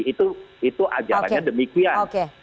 itu ajarannya demikian